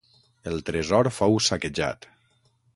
El tresor fou saquejat.